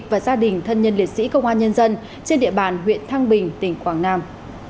và gia đình thân nhân liệt sĩ công an nhân dân trên địa bàn huyện thăng bình tỉnh quảng nam